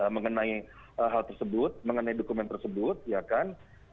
mengenai hal tersebut mengenai dokumen tersebut ya kan